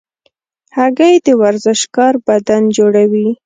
هګۍ د ورزشکار بدن جوړوي.